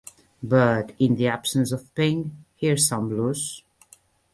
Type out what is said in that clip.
"But, in the absence of pink, here's some blues".